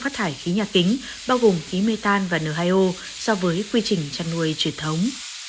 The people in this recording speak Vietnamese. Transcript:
phát thải khí nhà kính bao gồm khí mê tan và n hai o so với quy trình chăn nuôi truyền thống